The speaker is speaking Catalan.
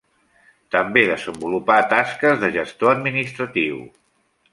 També desenvolupà tasques de gestor administratiu.